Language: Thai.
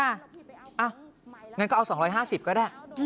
อย่างนั้นก็เอา๒๕๐ก็ได้